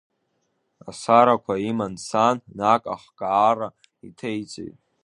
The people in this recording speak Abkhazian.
Асарақәа иман дцан, наҟ ахкаара иҭеиҵеит.